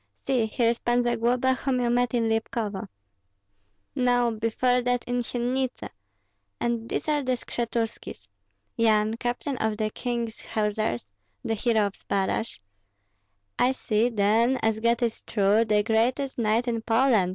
See, here is Pan Zagloba, whom you met in Lipkovo no, before that in Syennitsy; and these are the Skshetuskis, Yan, captain of the king's hussars, the hero of Zbaraj " "I see, then, as God is true, the greatest knight in Poland!"